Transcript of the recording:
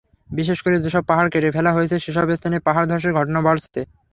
বিশেষ করে যেসব পাহাড় কেটে ফেলা হয়েছে, সেসব স্থানে পাহাড়ধসের ঘটনা বাড়ছে।